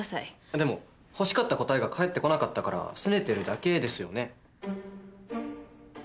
でも欲しかった答えが返ってこなかったからすねてるだけですよね？